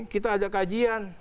kita ada kajian